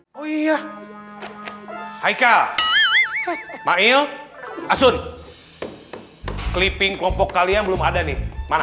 hai hai hai oh iya hai hai ke satu asyik clipping kelompok kalian belum ada nih mana